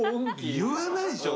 言わないでしょ。